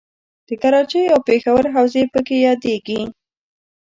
د کراچۍ او پېښور حوزې پکې یادیږي.